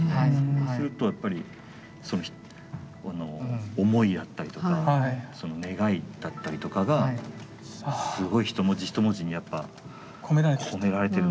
そうするとやっぱりその思いだったりとか願いだったりとかがすごい一文字一文字にやっぱ込められてるのかなっていう。